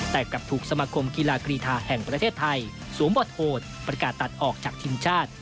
แต่กลับถูกสมาคมกีฬากรีธาแห่งประเทศไทยสวมบทโหดประกาศตัดออกจากทีมชาติ